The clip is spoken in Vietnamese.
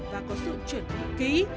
và có sự chuyển ký